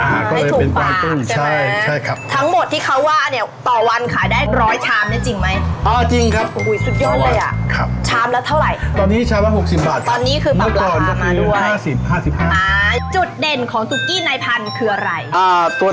อ่าก็เลยเป็นกวางตุ้งใช่เนี่ยใช่ครับถูกป่าว